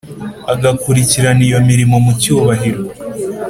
agakurikirana iyo mirimo mu cyubahiro